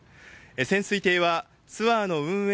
潜水艇はツアーの運営